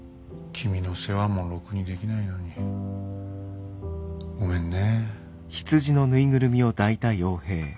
君の世話もろくにできないのにごめんね。